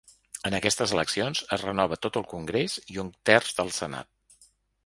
En aquestes eleccions es renova tot el congrés i un terç del senat.